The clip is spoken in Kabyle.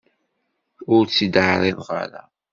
Ur tt-id-ɛriḍeɣ ara.